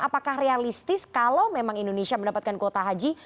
apakah realistis kalau memang indonesia mendapatkan kuota haji